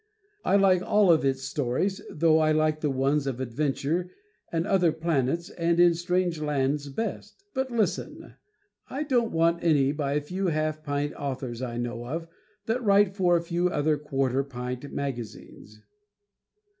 I like all of its stories, though I like the ones of adventure on other planets and in strange lands best. But listen, I don't want any by a few half pint authors I know of that write for a few other quarter pint magazines.